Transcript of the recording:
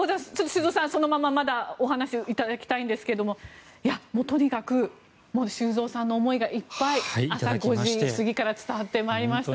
修造さん、まだそのままお話をいただきたいんですがとにかく修造さんの思いがいっぱい朝５時過ぎから伝わってきました。